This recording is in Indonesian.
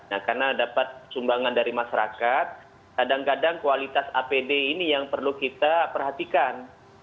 nah karena dapat sumbangan dari masyarakat kadang kadang kualitas apd ini yang perlu kita perhatikan